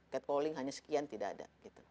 catcalling hanya sekian tidak ada